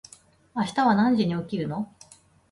明日は何時に起きるの？